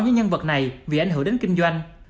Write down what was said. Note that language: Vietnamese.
những nhân vật này vì ảnh hưởng đến kinh doanh